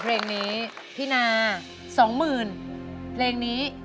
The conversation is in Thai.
ไปยักษ์นานอย่างเดียวไปยักษ์นานอย่างเดียว